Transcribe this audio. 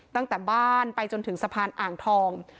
ตั้งแต่บ้านไปจนถึงสะพานอ่างทอง